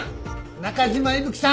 中島伊吹さん